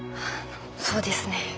そうですね。